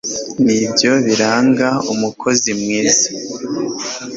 ni byo biranga umukozi mwiza